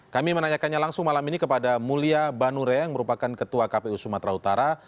kami menanyakannya langsung malam ini kepada mulia banure yang merupakan ketua kpu sumatera utara